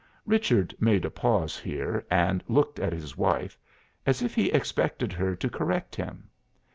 Richard made a pause here, and looked at his wife as if he expected her to correct him.